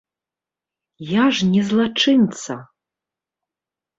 Я ж не злачынца!